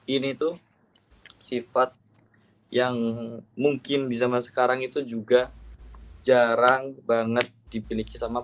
ini tuh sifat yang mungkin di zaman sekarang itu juga jarang banget dimiliki sama